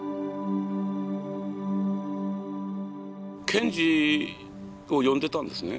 賢治を読んでたんですね。